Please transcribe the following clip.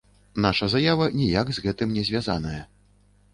Наша заява ніяк з гэтым не звязаная.